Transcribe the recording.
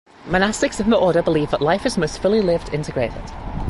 Monastics in the Order believe that life is most fully lived integrated.